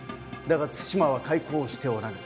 だが対馬は開港しておらぬ。